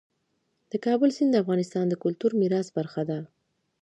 د کابل سیند د افغانستان د کلتوري میراث برخه ده.